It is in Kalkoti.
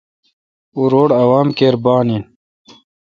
او روڑ عوام کیر بان این۔